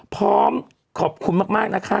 พร้อมขอบคุณมากนะคะ